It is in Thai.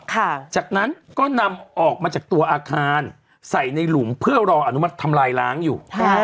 จากนั้นก็นำออกมาจากตัวอาคารใส่ในหลุมเพื่อรออนุมัติทำลายล้างอยู่ใช่